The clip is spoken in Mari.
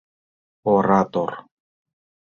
Оратор.